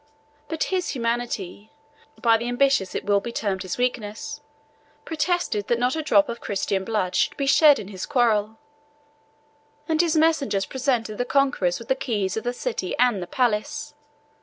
But his humanity (by the ambitious it will be termed his weakness) protested that not a drop of Christian blood should be shed in his quarrel, and his messengers presented the conquerors with the keys of the city and the palace.